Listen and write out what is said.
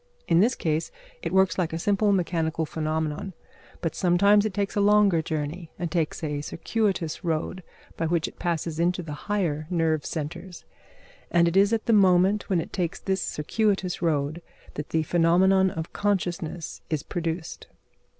In this case, it works like a simple mechanical phenomenon; but sometimes it makes a longer journey, and takes a circuitous road by which it passes into the higher nerve centres, and it is at the moment when it takes this circuitous road that the phenomenon of consciousness is produced.